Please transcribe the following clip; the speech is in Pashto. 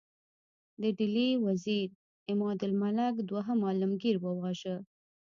د ډهلي وزیر عمادالملک دوهم عالمګیر وواژه.